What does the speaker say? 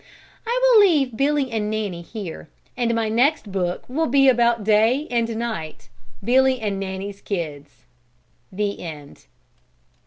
I will leave Billy and Nanny here, and my next book will be about Day and Night, Billy and Nanny's kids. THE END.